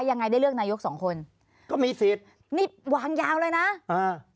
ยังไงได้เลือกนายกสองคนก็มีสิทธิ์นี่วางยาวเลยนะอ่า